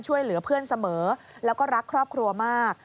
ช่วยเหลือเพื่อนเสมอแล้วก็รักครอบครัวมาก